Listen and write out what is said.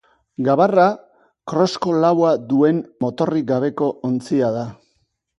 Gabarra krosko laua duen motorrik gabeko ontzia da.